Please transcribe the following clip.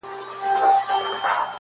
زه غریب د جانان میني له پخوا وژلی ومه٫